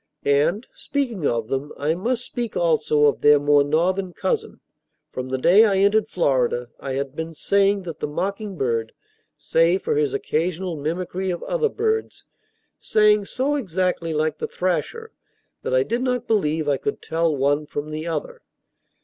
And, speaking of them, I must speak also of their more northern cousin. From the day I entered Florida I had been saying that the mocking bird, save for his occasional mimicry of other birds, sang so exactly like the thrasher that I did not believe I could tell one from the other.